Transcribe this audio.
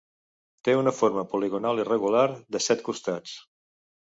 Té una forma poligonal irregular, de set costats.